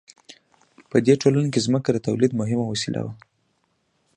په دې ټولنه کې ځمکه د تولید مهمه وسیله وه.